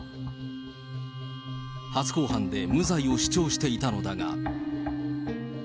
初公判で無罪を主張していたのだが。